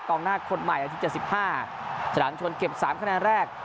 หน้าคนใหม่อาทิตย์๗๕ฉลามชนเก็บ๓คะแนนแรก